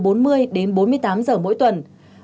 tỷ trọng lao động làm việc trên bốn mươi tám giờ mỗi tuần